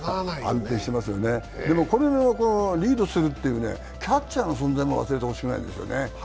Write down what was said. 安定していますよね、でもこれをリードしているキャッチャーの存在も忘れてほしくないんですよね。